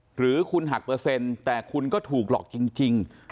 หรือคุณหักเปอร์เซ็นต์แต่คุณก็ถูกหลอกจริง